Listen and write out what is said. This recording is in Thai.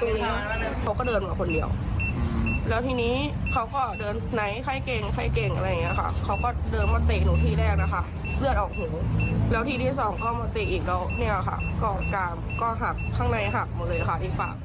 กองกามก็หักข้างในหักหมดเลยค่ะที่ปาก